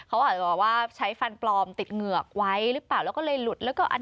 เออไม่รู้เหมือนกัน